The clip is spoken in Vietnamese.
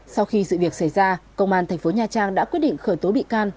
sau khi sự việc xảy ra công an tp nha trang đã quyết định khởi tố bị can